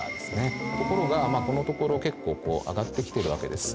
ところがこのところ結構上がって来てるわけです。